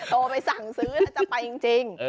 โทรไปสั่งซื้อแล้วจะไปจริง